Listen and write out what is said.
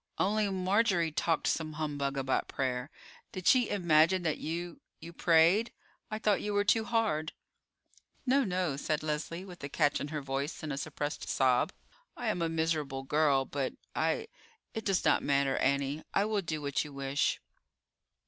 "Only Marjorie talked some humbug about prayer. Did she imagine that you—you prayed? I thought you were too hard." "No, no," said Leslie, with a catch in her voice, and a suppressed sob. "I am a miserable girl; but I—it does not matter. Annie, I will do what you wish."